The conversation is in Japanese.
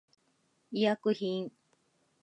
医薬品